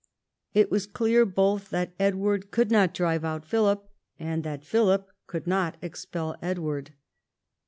It was clear both that Edward could not drive out Philip, and that Philip could not expel Edward.